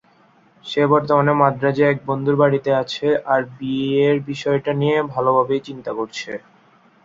সে বর্তমানে মাদ্রাজে এক বন্ধুর বাড়িতে আছে আর বিয়ের বিষয়টা নিয়ে ভালোভাবেই চিন্তা করছে।